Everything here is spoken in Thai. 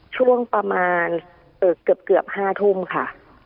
ช่วงประมาณเกือบ๕ทุ่มค่ะ